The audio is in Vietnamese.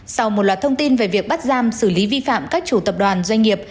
sau một loạt thông tin về việc bắt giam xử lý vi phạm các chủ tập đoàn doanh nghiệp